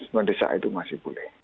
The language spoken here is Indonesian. semua desa itu masih boleh